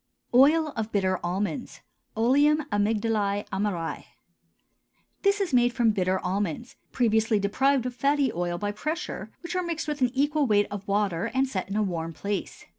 OIL OF BITTER ALMONDS (OLEUM AMYGDALÆ AMARÆ). This is made from bitter almonds, previously deprived of fatty oil by pressure, which are mixed with an equal weight of water and set in a warm place.